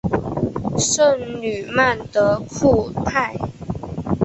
圣吕曼德库泰。